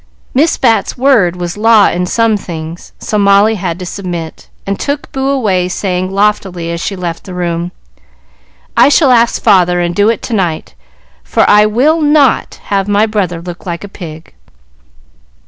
Miss Bat's word was law in some things, so Molly had to submit, and took Boo away, saying, loftily, as she left the room, "I shall ask father, and do it to night, for I will not have my brother look like a pig."